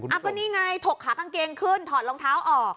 ก็นี่ไงถกขากางเกงขึ้นถอดรองเท้าออก